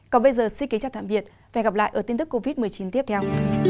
còn bây giờ xin kính chào tạm biệt và hẹn gặp lại ở tin tức covid một mươi chín tiếp theo